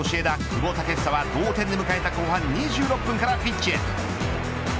久保建英は、同点で迎えた後半２６分からピッチへ。